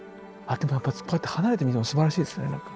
あでもこうやって離れて見てもすばらしいですね。